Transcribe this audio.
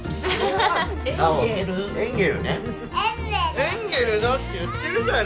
エンゲルだって言ってるだろ！